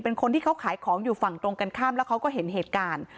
คนที่เขาขายของอยู่ฝั่งตรงกันข้ามแล้วเขาก็เห็นเหตุการณ์